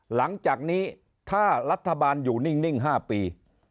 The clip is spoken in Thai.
หลังจากนี้ถ้ารัฐบาลอยู่นิ่ง๕ปี